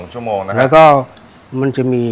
๒ชั่วโมงนะครับ